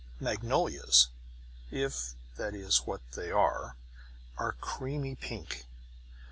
Magnolias (if that is what they are) are creamy pink.